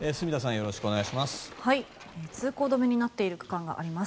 よろしくお願いします。